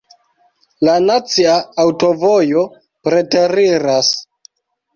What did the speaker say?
La nacia aŭtovojo preteriras.